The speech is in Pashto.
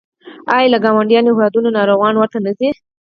آیا له ګاونډیو هیوادونو ناروغان ورته نه ځي؟